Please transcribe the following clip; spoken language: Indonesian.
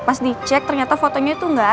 pas dicek ternyata fotonya tuh gak ada